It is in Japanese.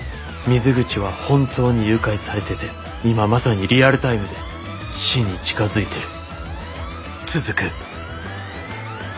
水口は本当に誘拐されてて今まさにリアルタイムで死に近づいてる。